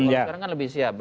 sekarang kan lebih siap